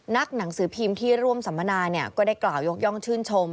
นักหนังสือพิมพ์ที่ร่วมสัมมนาก็ได้กล่าวยกย่องชื่นชม